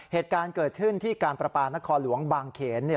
เหตุการณ์เกิดขึ้นที่การประปานครหลวงบางเขนเนี่ย